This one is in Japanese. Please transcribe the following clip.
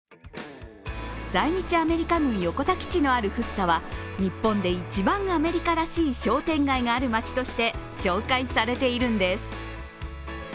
在日アメリカ軍・横田基地のある福生は日本で一番アメリカらしい商店街がある街として紹介されているんです。